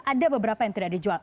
ada beberapa yang tidak dijual